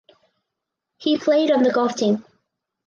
He played on the golf team.